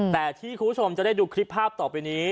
แต่ที่คุณผู้ชมจะได้ดูคลิปภาพต่อไปนี้